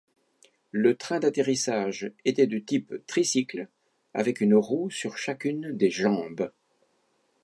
Le train d'atterrissage était de type tricycle, avec une roue sur chacune des jambes.